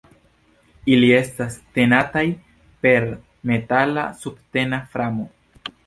Ili estas tenataj per metala subtena framo.